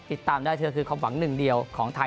ติดตามได้เธอคือความหวังหนึ่งเดียวของไทย